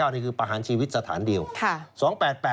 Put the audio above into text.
นี่คือประหารชีวิตสถานเดียว